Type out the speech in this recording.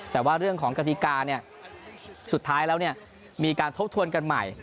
แต่ว่าเรื่องของกฎิกาเนี่ยสุดท้ายแล้วมีการทบทวนกันใหม่